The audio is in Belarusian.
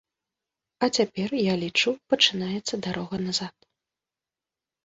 А цяпер, я лічу, пачынаецца дарога назад.